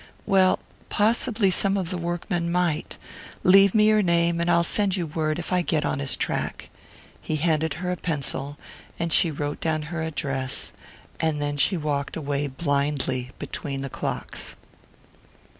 "Well, possibly some of the workmen might. Leave me your name and I'll send you word if I get on his track." He handed her a pencil, and she wrote down her address; then she walked away blindly between the clocks.